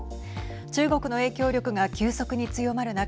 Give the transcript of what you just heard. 中国の影響力が急速に強まる中